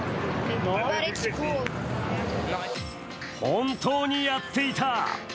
本当にやっていた。